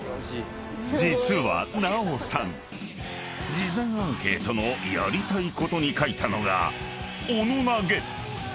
［事前アンケートのやりたいことに書いたのが「斧投げ」！］